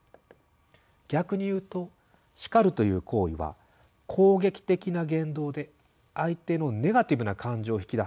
逆に言うと「叱る」という行為は攻撃的な言動で相手のネガティブな感情を引き出す。